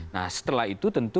nah setelah itu tentu